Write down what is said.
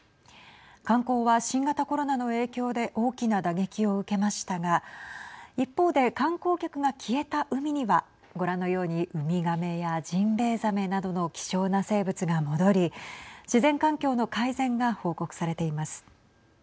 観光は新型コロナの影響で大きな打撃を受けましたが一方で、観光客が消えた海にはご覧のようにウミガメやジンベエザメなどの希少な生物が戻り自然環境の改善が報告されています。